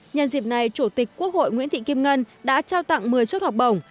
nhân dịp này chủ tịch quốc hội nguyễn thị kim ngân đã trao tặng một mươi suất học bổng